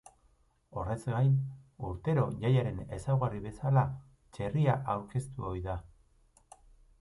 Horrez gain, urtero jaiaren ezaugarri bezala txerria aurkeztu ohi da.